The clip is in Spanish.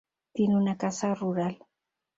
Tiene una casa rural.